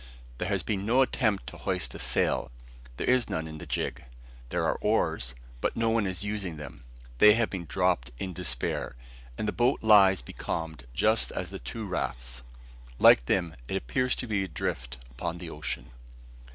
There has been no attempt to hoist a sail; there is none in the gig. There are oars, but no one is using them. They have been dropped in despair; and the boat lies becalmed just as the two rafts. Like them, it appears to be adrift upon the ocean.